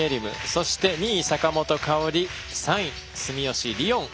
そして２位、坂本花織３位、住吉りをん。